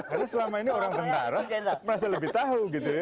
karena selama ini orang rendara merasa lebih tahu